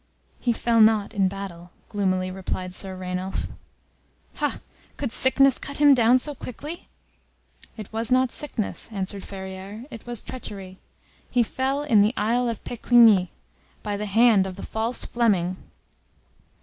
"He fell not in battle," gloomily replied Sir Rainulf. "Ha! could sickness cut him down so quickly?" "It was not sickness," answered Ferrieres. "It was treachery. He fell in the Isle of Pecquigny, by the hand of the false Fleming!"